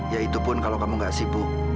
ya itu pun kalau kamu gak sibuk